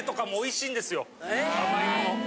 甘いもの。